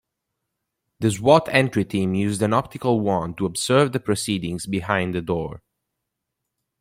The S.W.A.T. entry team used an optical wand to observe the proceedings behind the door.